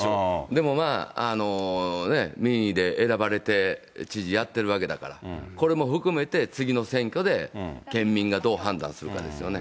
でもまあ、民意で選ばれて知事やってるわけだから、これも含めて次の選挙で県民がどう判断するかですよね。